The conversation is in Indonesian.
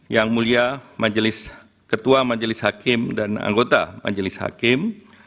yang mulia ketua majelis hakim dan anggota majelis hakim